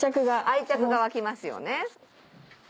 愛着が湧きますよね。